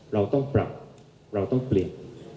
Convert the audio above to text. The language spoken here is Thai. เราต้องปรับเราต้องเปลี่ยน